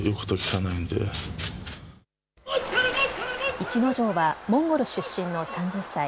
逸ノ城はモンゴル出身の３０歳。